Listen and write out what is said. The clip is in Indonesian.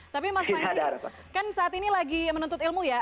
tapi mas panji kan saat ini lagi menuntut ilmu ya